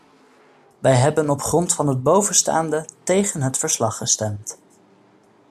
Wij hebben op grond van het bovenstaande tegen het verslag gestemd.